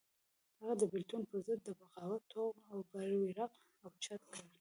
هغه د بېلتون پر ضد د بغاوت توغ او بېرغ اوچت کړ.